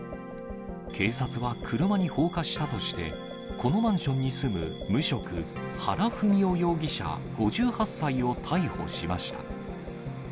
警察は車に放火したとして、このマンションに住む無職、原文雄容疑者５８歳を逮捕しました。